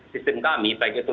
sistem kami baik itu